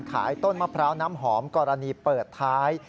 ต้นมะพร้าวน้ำหอมกรณีเปิดท้าย